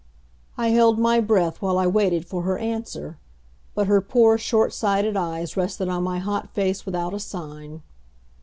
I held my breath while I waited for her answer. But her poor, short sighted eyes rested on my hot face without a sign.